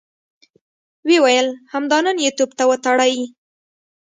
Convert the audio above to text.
ويې ويل: همدا نن يې توپ ته وتړئ!